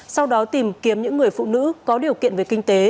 sau đó tìm kiếm những người phụ nữ có điều kiện về kinh tế